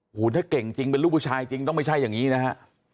โอ้โหถ้าเก่งจริงเป็นลูกผู้ชายจริงต้องไม่ใช่อย่างนี้นะฮะ